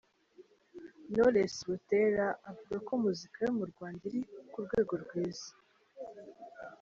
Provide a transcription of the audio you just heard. Knowless Butera avuga ko muzika yo mu Rwanda iri ku rwego rwiza.